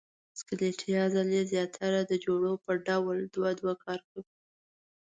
سکلیټي عضلې زیاتره د جوړو په ډول دوه دوه کار کوي.